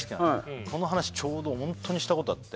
この話ちょうどホントにしたことあって。